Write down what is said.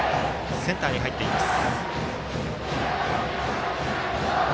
センターに入っています。